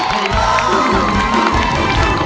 ขอร้องเราพี่พี่พ่อ